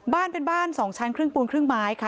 บ้านเป็นบ้าน๒ชั้นครึ่งปูนครึ่งไม้ค่ะ